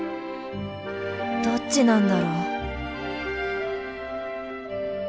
どっちなんだろう？